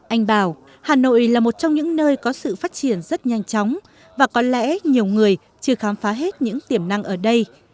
anh bảo hà nội là một trong những nơi có sự phát triển rất nhanh chóng và có lẽ nhiều người chưa khám phá hết những tiềm năng ở đây